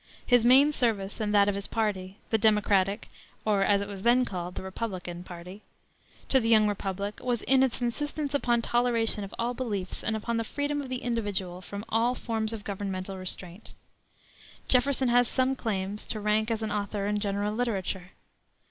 His main service and that of his party the Democratic or, as it was then called, the Republican party to the young republic was in its insistence upon toleration of all beliefs and upon the freedom of the individual from all forms of governmental restraint. Jefferson has some claims, to rank as an author in general literature.